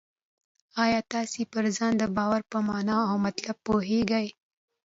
آیا تاسې پر ځان د باور په مانا او مطلب پوهېږئ؟